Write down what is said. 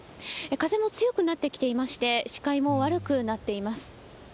風も強くなってきていまして、視界も悪くなっています。